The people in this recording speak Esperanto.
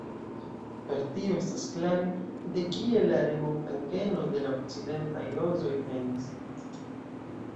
Per tio estas klare, de kie la Remontant-geno de la okcidentaj rozoj venis.